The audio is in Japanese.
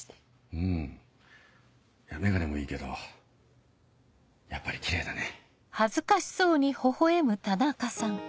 うん眼鏡もいいけどやっぱりキレイだね。